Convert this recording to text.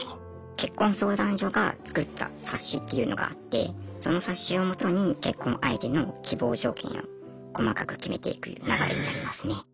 結婚相談所が作った冊子っていうのがあってその冊子を基に結婚相手の希望条件を細かく決めていく流れになりますね。